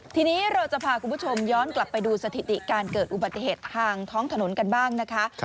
ทีนี้เราจะพาคุณผู้ชมย้อนกลับไปดูสถิติการเกิดอุบัติเหตุทางท้องถนนกันบ้างนะคะ